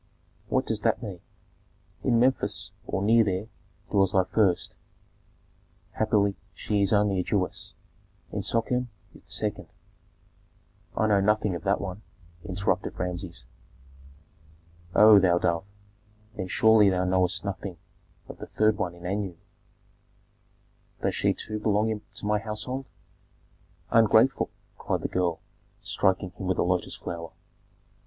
"What does that mean?" "In Memphis, or near there, dwells thy first; happily she is only a Jewess! In Sochem is the second " "I know nothing of that one," interrupted Rameses. "Oh, thou dove! Then surely thou knowest nothing of the third one in Anu." "Does she too belong to my household?" "Ungrateful!" cried the girl, striking him with a lotus flower.